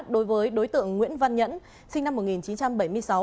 đối với đối tượng nguyễn văn nhẫn sinh năm một nghìn chín trăm bảy mươi sáu